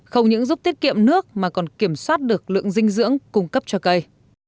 không những giúp tiết kiệm nước mà còn kiểm soát được lượng dinh dưỡng cung cấp cho cây